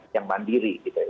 yang mandiri gitu ya